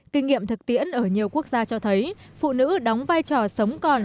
kinh nghiệm thực tiễn ở nhiều quốc gia cho thấy phụ nữ đóng vai trò sống còn